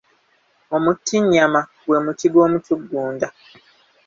Omutinnyama gwe muti gw'omutugunda.